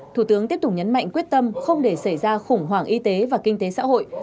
thủ tướng tiếp tục nhấn mạnh quyết tâm không để xảy ra khủng hoảng y tế và kinh tế xã hội